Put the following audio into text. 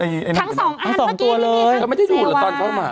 ทั้ง๒อันเมื่อกี้ไม่มีทั้งเซวา